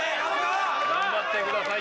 頑張ってください・